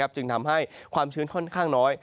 จึงทำให้ความชื้นค่อนข้างน้อย